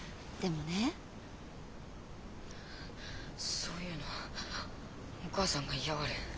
そういうのお母さんが嫌がる。